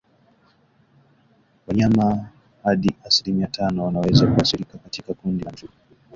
Wanyama hadi asilimia tano wanaweza kuathirika katika kundi la mifugo